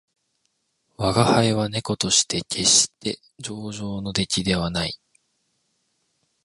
吾輩は猫として決して上乗の出来ではない